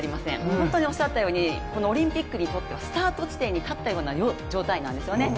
本当におっしゃったようにオリンピックにとってはスタート地点に立ったような状態なんですよね。